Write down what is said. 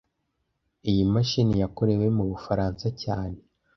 Iyi mashini yakorewe mu Bufaransa cyane